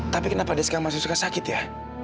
tapi kenapa dia sekarang masih suka sakit ya